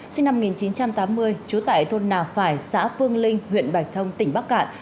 sinh năm một nghìn chín trăm tám mươi trú tại thôn nà phải xã phương linh huyện bạch thông tỉnh bắc cạn